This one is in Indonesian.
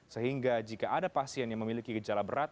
sehingga jika ada pasien yang memiliki gejala berat